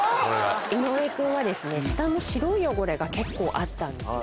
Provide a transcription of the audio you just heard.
井上君は舌の白い汚れが結構あったんです。